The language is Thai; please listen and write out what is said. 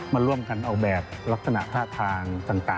มาร่วมกันเอาแบบลักษณะท่าทาง